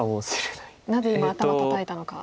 なぜ今頭たたいたのか。